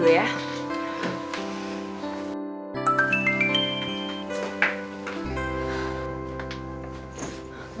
ibu kei serah dulu ya